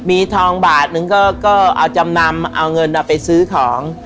มีทองบาทนึงก็เอาจำนำเอาเงินไปซื้อของ